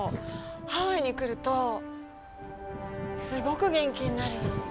ハワイに来ると、すごく元気になる。